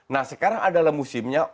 nah sekarang adalah musimnya